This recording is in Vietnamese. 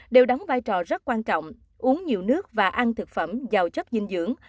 đều đóng vai trò rất quan trọng uống nhiều nước và ăn thực phẩm giàu chất dinh dưỡng